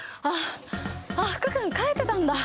あっ福君帰ってたんだ。